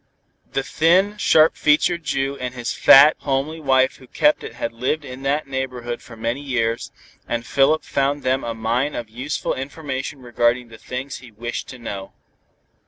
The thin, sharp featured Jew and his fat, homely wife who kept it had lived in that neighborhood for many years, and Philip found them a mine of useful information regarding the things he wished to know.